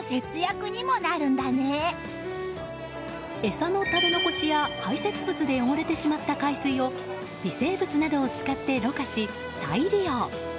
餌の食べ残しや排泄物で汚れてしまった海水を微生物などを使ってろ過し、再利用。